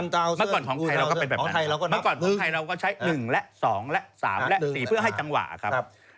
ตอนของไทยเราก็ใช้๑และ๒และ๓และ๔เพื่อให้จังหวะครับ